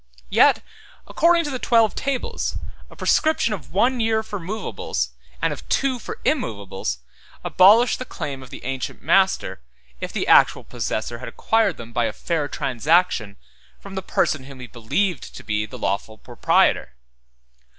Yet, according to the Twelve Tables, a prescription of one year for movables, and of two years for immovables, abolished the claim of the ancient master, if the actual possessor had acquired them by a fair transaction from the person whom he believed to be the lawful proprietor.